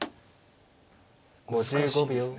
難しいですね。